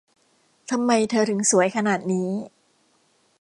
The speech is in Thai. ทำไมเธอถึงสวยขนาดนี้